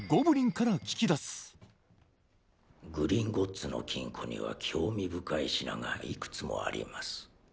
グリンゴッツの金庫には興味深い品がいくつもあります